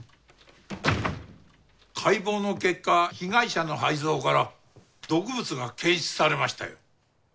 解剖の結果被害者の肺臓から毒物が検出されましたよ。